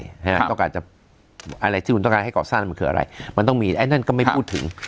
ต้องการจะอะไรที่คุณต้องการให้ก่อสร้างมันคืออะไรมันต้องมีไอ้นั่นก็ไม่พูดถึง